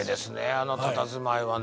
あのたたずまいはね。